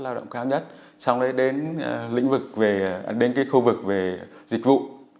lao động khá nhất sau đó đến khu vực về dịch vụ